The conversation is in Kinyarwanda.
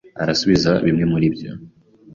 arasubiza bimwe muri byo